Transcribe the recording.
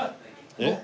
えっ？